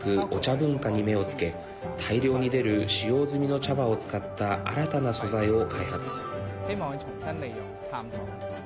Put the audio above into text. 文化に目をつけ大量に出る使用済みの茶葉を使った新たな素材を開発。